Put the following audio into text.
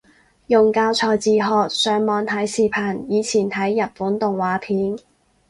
用教材自學，上網睇視頻，以前睇日本動畫片